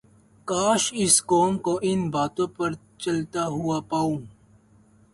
کاش اس قوم کو ان باتوں پر چلتا ھوا پاؤں